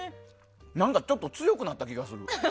何かちょっと強くなった気がする。